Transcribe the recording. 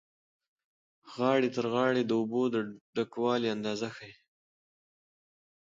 غاړې تر غاړې د اوبو د ډکوالي اندازه ښیي.